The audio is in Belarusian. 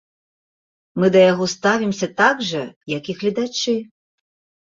Мы да яго ставімся так жа, як і гледачы!